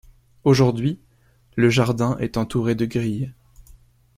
Aujourd’hui, le jardin est entouré de grilles.